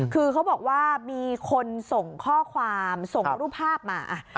คือเขาบอกว่ามีคนส่งข้อความส่งรูปภาพมา